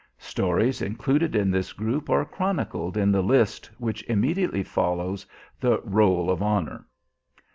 Stories included in this group are chronicled in the list which immediately follows the "Roll of Honour."